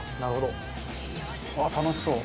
うわっ楽しそう。